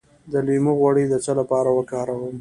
د لیمو غوړي د څه لپاره وکاروم؟